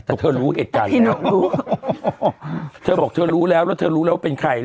แต่เธอรู้เหตุการณ์แล้ว